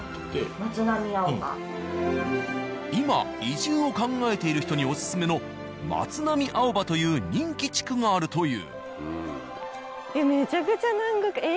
今移住を考えている人におすすめの松並青葉という人気地区があるという。